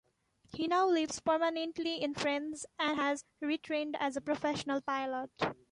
He now lives permanently in France and has retrained as a professional pilot.